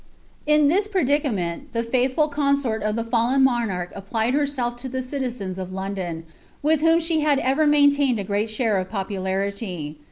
!■ thia praUcameni, the faithful consort of the fallen monarch applied hxTMclf to the citizens of Londiin, with whutn she had ever muinlatliad a fTtBi share of popularity.